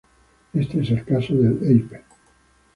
Éste es el caso del Ape.